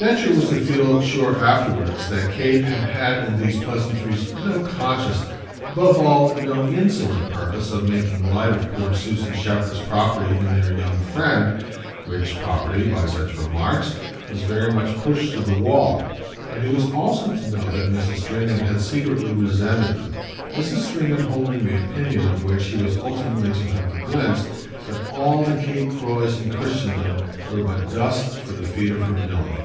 Densher was to feel sure afterwards that Kate had had in these pleasantries no conscious, above all no insolent purpose of making light of poor Susan Shepherd's property in their young friend which property, by such remarks, was very much pushed to the wall; but he was also to know that Mrs. Stringham had secretly resented them, Mrs. Stringham holding the opinion, of which he was ultimately to have a glimpse, that all the Kate Croys in Christendom were but dust for the feet of her Milly.